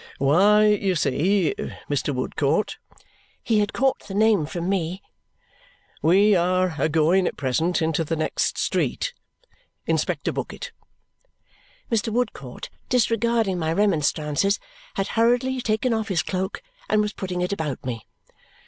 "Why, you see, Mr. Woodcourt" he had caught the name from me "we are a going at present into the next street. Inspector Bucket." Mr. Woodcourt, disregarding my remonstrances, had hurriedly taken off his cloak and was putting it about me.